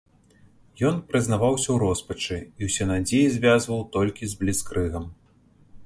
Ён прызнаваўся ў роспачы, і ўсе надзеі звязваў толькі з бліцкрыгам.